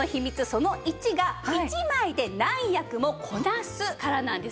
その１が「１枚で何役もこなす」からなんですね。